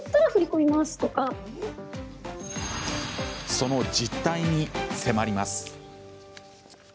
その実態に迫ります。